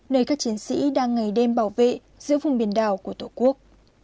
nơi các chiến sĩ đang ngày đêm bảo vệ giữa vùng biển đảo của tổ quốc